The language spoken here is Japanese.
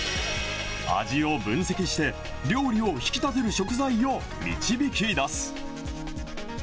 味を分析して、料理を引き立てる食材を導き出す。